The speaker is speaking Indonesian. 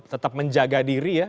tetap menjaga diri ya